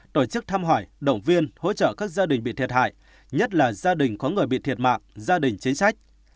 tổ chức thăm hỏi động viên hỗ trợ các gia đình bị thiệt hại nhất là gia đình có người bị thiệt mạng gia đình chính sách